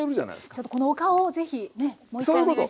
ちょっとこのお顔を是非ねもう一回お願いします。